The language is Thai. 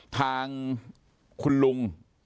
ทางคุณลุง